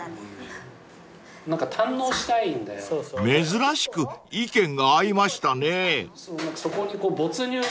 ［珍しく意見が合いましたね］